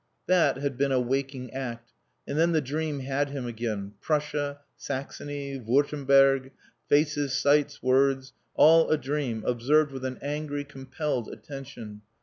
That had been a waking act; and then the dream had him again: Prussia, Saxony, Wurtemberg, faces, sights, words all a dream, observed with an angry, compelled attention.